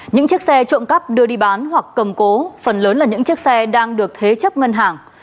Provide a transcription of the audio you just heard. những chiếc xe trộm cắp đưa đi bán hoặc cầm cố phần lớn là những chiếc xe đang được thế chấp ngân hàng